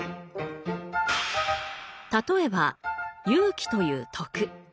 例えば「勇気」という徳。